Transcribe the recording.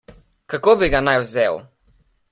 Kako bi ga naj vzel?